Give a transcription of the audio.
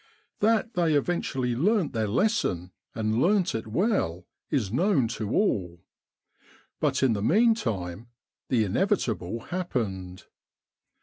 That they eventually learnt their lesson, and learnt it well, is known to all. But in the meantime the inevitable happened.